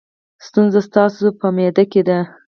ستونزه ستاسو په معده کې ده.